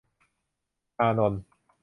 อานนท์